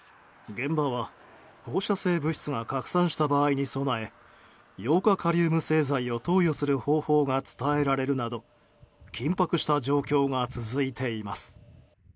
現場は放射性物質が拡散した場合に備えヨウ化カリウム製剤を投与する方法が伝えられるなど緊迫した状況が続いています。